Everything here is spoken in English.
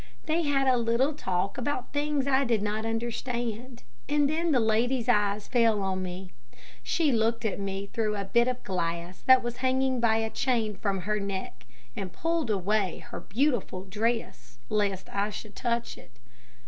They had a little talk about things I did not understand and then the lady's eyes fell on me. She looked at me through a bit of glass that was hanging by a chain from her neck, and pulled away her beautiful dress lest I should touch it.